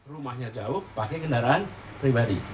rumahnya jauh pakai kendaraan pribadi